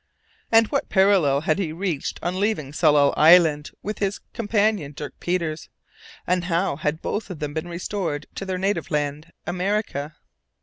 And what parallel had he reached on leaving Tsalal Island with his companion, Dirk Peters, and how had both of them been restored to their native land, America?